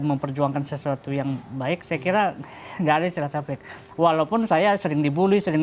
memperjuangkan sesuatu yang baik sekiranya dari sisa baik walaupun saya sering dibully sering